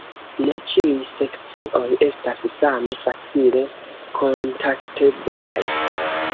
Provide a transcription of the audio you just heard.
Ne ĉiuj sekcioj estas same facile kontakteblaj.